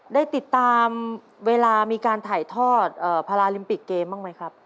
ได้ติดตามเวลามีการถ่ายทอดพาราลิมปิกเกมบ้างไหมครับ